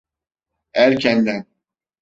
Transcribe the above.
Erkenden…